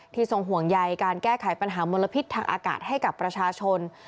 ทรงห่วงใยการแก้ไขปัญหามลพิษทางอากาศให้กับประชาชน